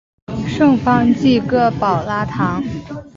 圣方济各保拉堂。